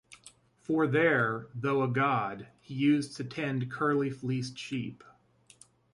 For there, though a god, he used to tend curly-fleeced sheep.